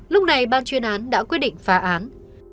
lúc này ban chuyên án đã quyết định phá án